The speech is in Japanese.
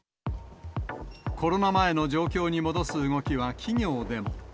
コロナ前の状況に戻す動きは、企業でも。